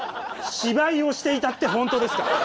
芝居をしていたって本当ですか？